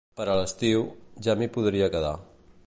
Per a l'estiu, ja m'hi podria quedar.